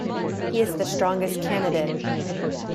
He is the strongest candidate.